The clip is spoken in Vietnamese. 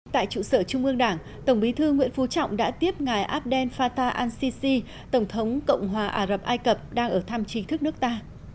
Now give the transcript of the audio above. tại trụ sở trung ương đảng tổng bí thư nguyễn phú trọng đã tiếp ngài abdel fatah al sisi tổng thống cộng hòa ả rập ai cập đang ở thăm chính thức nước ta